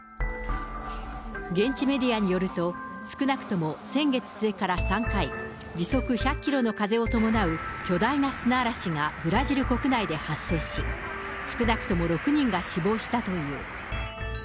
現地メディアによると、少なくとも先月末から３回、時速１００キロの風を伴う巨大な砂嵐がブラジル国内で発生し、少なくとも６人が死亡したという。